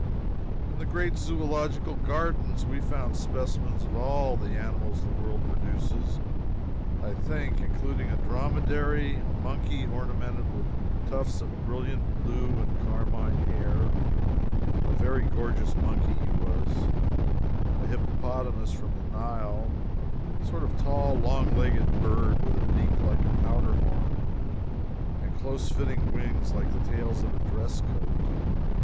In the great Zoological Gardens we found specimens of all the animals the world produces, I think, including a dromedary, a monkey ornamented with tufts of brilliant blue and carmine hair a very gorgeous monkey he was a hippopotamus from the Nile, and a sort of tall, long legged bird with a beak like a powder horn and close fitting wings like the tails of a dress coat.